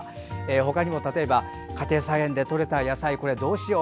他にも例えば家庭菜園でとれた野菜どうしよう。